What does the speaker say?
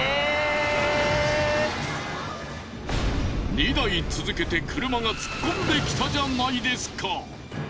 ２台続けて車が突っ込んできたじゃないですか！